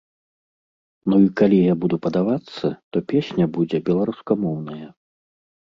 Ну і калі я буду падавацца, то песня будзе беларускамоўная.